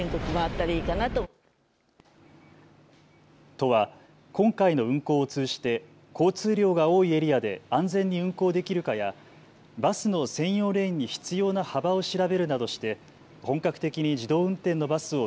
都は今回の運行を通じて交通量が多いエリアで安全に運行できるかやバスの専用レーンに必要な幅を調べるなどして本格的に自動運転のバスを